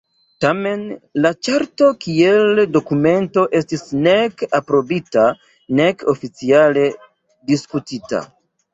Tamen, la Ĉarto kiel dokumento estis nek aprobita nek oficiale diskutita.